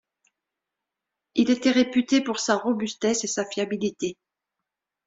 Il était réputé pour sa robustesse et sa fiabilité.